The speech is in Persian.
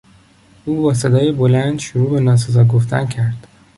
او با صدای بلند شروع به ناسزا گفتن کرد.